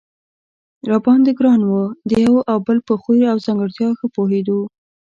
را باندې ګران و، د یو او بل په خوی او ځانګړتیا ښه پوهېدو.